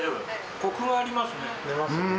こくがありますね。